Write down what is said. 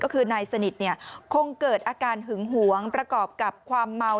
ก็คือนายสนิทคงเกิดอาการหึงหวงประกอบกับความเมา